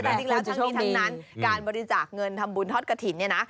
แต่จริงแล้วทั้งนี้ทั้งนั้นการบริจาคเงินทำบุญทอดกระถิ่นเนี่ยนะ